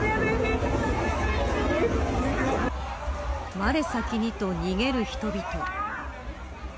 我先にと逃げる人々。